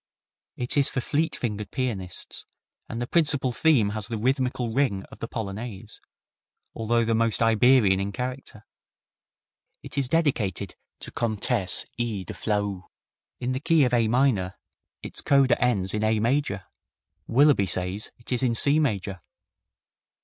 It is for fleet fingered pianists, and the principal theme has the rhythmical ring of the Polonaise, although the most Iberian in character. It is dedicated to Comtesse E. de Flahault. In the key of A minor, its coda ends in A major. Willeby says it is in C major!